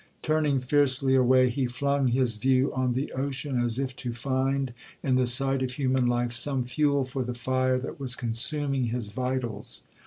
Turning fiercely away, he flung his view on the ocean, as if to find, in the sight of human life, some fuel for the fire that was consuming his vitals.